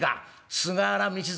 菅原道真